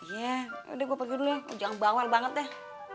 iya yaudah gue pergi dulu jangan bawal banget deh